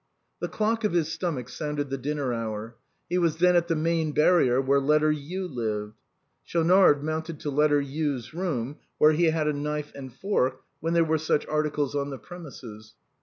The clock of his stomach sounded the dinner hour. He was then at the Maine barrier, where letter U lived. Schaunard mounted to letter U's room, where he had a knife and fork, when there were such articles on the premises.